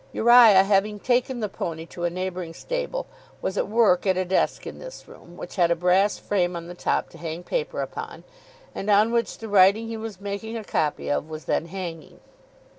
Uriah, having taken the pony to a neighbouring stable, was at work at a desk in this room, which had a brass frame on the top to hang paper upon, and on which the writing he was making a copy of was then hanging.